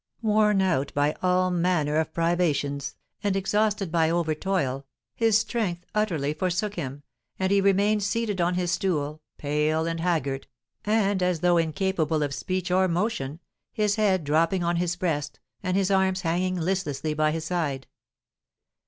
Worn out by all manner of privations, and exhausted by over toil, his strength utterly forsook him, and he remained seated on his stool, pale and haggard, and as though incapable of speech or motion, his head drooping on his breast, and his arms hanging listlessly by his side.